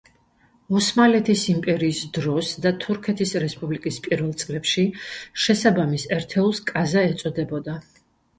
ოსმალეთის იმპერიის დროს და თურქეთის რესპუბლიკის პირველ წლებში შესაბამის ერთეულს კაზა ეწოდებოდა.